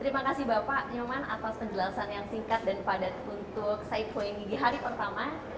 terima kasih bapak nyuman atas penjelasan yang singkat dan padat untuk syed dua puluh di hari pertama